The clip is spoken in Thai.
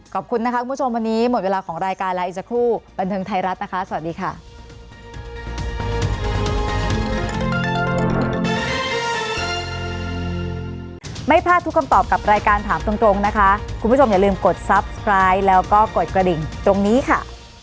ขอบคุณนะคะคุณผู้ชมวันนี้หมดเวลาของรายการแล้วอีกสักครู่บันเทิงไทยรัฐนะคะสวัสดีค่ะ